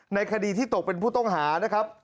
ในคดีที่ตกเป็นผู้ต้องหานะครับ